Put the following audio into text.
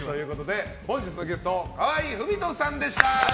本日のゲスト河合郁人さんでした。